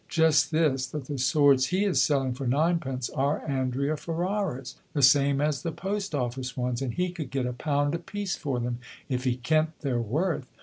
"Just this; that the swords he is selling for ninepence are Andrea Ferraras, the same as the post office ones, and he could get a pound a piece for them if he kent their worth.